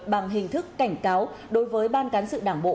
bằng hình thức cảnh cáo đối với ban cán sự đảng bộ